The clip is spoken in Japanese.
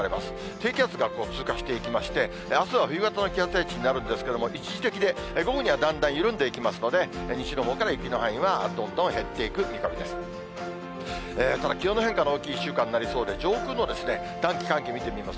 低気圧が通過していきまして、あすは冬型の気圧配置になるんですけれども、一時的で、午後にはだんだん緩んでいきますので、西のほうから雪の範囲はどんどん減っていく見込みです。